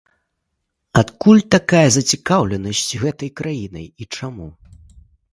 Адкуль такая зацікаўленасць гэтай краінай і чаму?